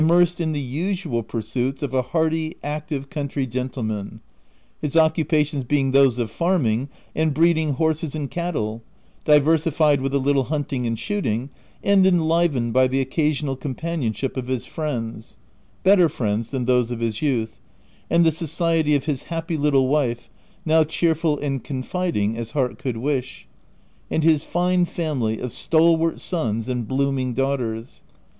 273 mersed in the usual pursuits of a hearty, active county gentleman ; his occupations being those of farming, and breeding horses and cattle, di versified with a little hunting and shooting, and enlivened by the occasional companionship of his friends (better friends than those of his youth), and the society of his happy little wife, (now cheerful and confiding as heart could wish) and his fine family of stalwart sons and bloom ing daughters.